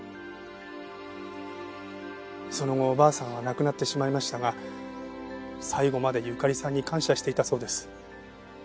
その後おばあさんは亡くなってしまいましたが最後までゆかりさんに感謝していたそうです。